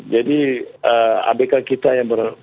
jadi abk kita yang berkata